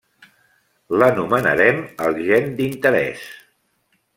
L'anomenarem el gen d'interès.